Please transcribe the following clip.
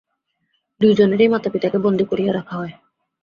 দুইজনেরই মাতাপিতাকে বন্দী করিয়া রাখা হয়।